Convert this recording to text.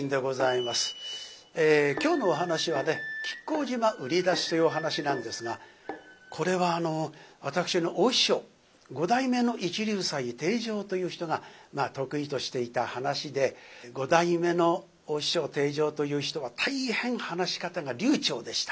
今日のお噺は「亀甲縞売出し」というお噺なんですがこれは私の大師匠五代目の一龍斎貞丈という人が得意としていた噺で五代目の大師匠貞丈という人は大変話し方が流ちょうでした。